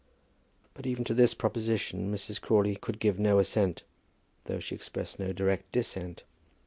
But even to this proposition Mrs. Crawley could give no assent, though she expressed no direct dissent.